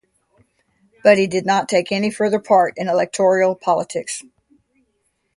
But he did not take any further part in electoral politics.